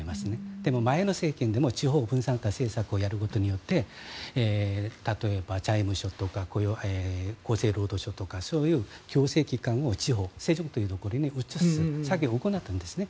でも前の政権でも地方分散化政策をやることによって例えば財務省とか厚生労働省とかそういう行政機関を地方に移す作業を最近行ったんですね。